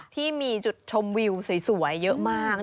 ที่มีจุดชมวิวสวยเยอะมาก